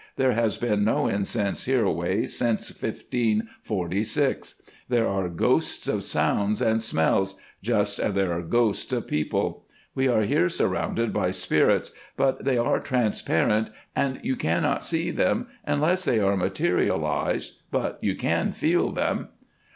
'There has been no incense hereaway since 1546. There are ghosts of sounds and smells, just as there are ghosts of people. We are here surrounded by spirits, but they are transparent, and you cannot see them unless they are materialised, but you can feel them.